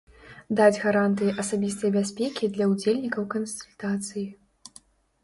Даць гарантыі асабістай бяспекі для ўдзельнікаў кансультацый.